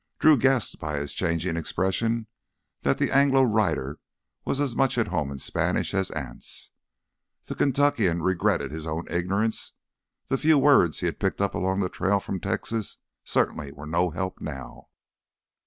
Drew guessed by his changing expressions that the Anglo rider was as much at home in Spanish as Anse. The Kentuckian regretted his own ignorance; the few words he had picked up along the trail from Texas certainly were no help now.